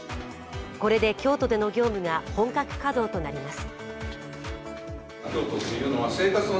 これで京都での業務が本格稼働となります。